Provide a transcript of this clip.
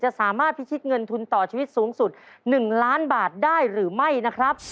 สามารถพิชิตเงินทุนต่อชีวิตสูงสุด๑ล้านบาทได้หรือไม่นะครับ